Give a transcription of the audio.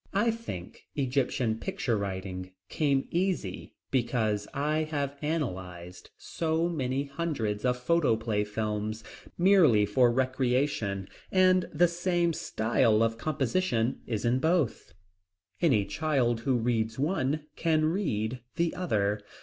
I think Egyptian picture writing came easy because I have analyzed so many hundreds of photoplay films, merely for recreation, and the same style of composition is in both. Any child who reads one can read the other.